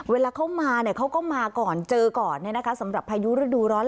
เวลาเขามาเขาก็มาก่อนเจอก่อนสำหรับพายุฤดูร้อน